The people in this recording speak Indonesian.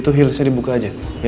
itu heel saya dibuka aja ya